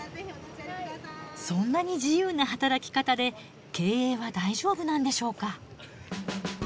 そんなに自由な働き方で経営は大丈夫なんでしょうか？